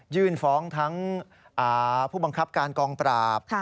ยื่นฟ้องทั้งผู้บังคับการกองปราบ